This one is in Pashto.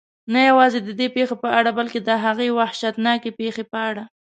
نه یوازې ددې پېښې په اړه بلکې د هغې وحشتناکې پېښې په اړه.